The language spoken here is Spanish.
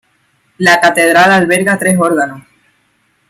La catedral alberga tres órganos.